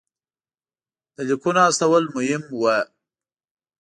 د لیکونو استول مهم وو.